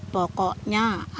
pokoknya ada satu